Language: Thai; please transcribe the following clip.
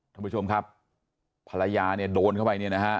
ท่านผู้ชมครับภรรยาเนี่ยโดนเข้าไปเนี่ยนะฮะ